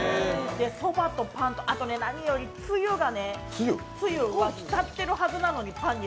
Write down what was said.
そばとパン、あと何よりつゆがね、ひたってるはずなのに、パンに。